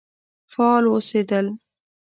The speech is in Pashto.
فعال اوسېدل.